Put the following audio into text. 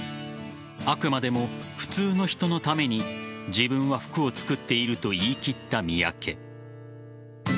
あくまでも普通の人のために自分は服を作っていると言い切った三宅。